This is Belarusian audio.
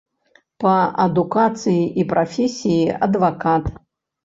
Па адукацыі і прафесіі адвакат.